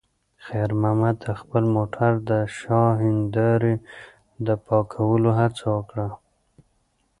خیر محمد د خپل موټر د شا د هیندارې د پاکولو هڅه وکړه.